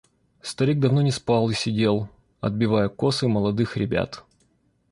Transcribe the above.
Старик давно не спал и сидел, отбивая косы молодых ребят.